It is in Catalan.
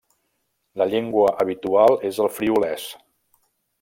La llengua habitual és el friülès.